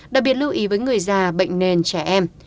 đặc biệt lưu ý với người già bệnh nền trẻ em